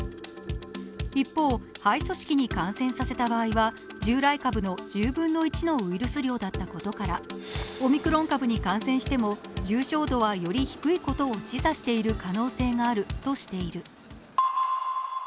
一方、肺組織に感染させた場合は従来株の１０分の１のウイルス量だったことからオミクロン株に感染しても重症度はより低いことを示唆している可能性があるとしている。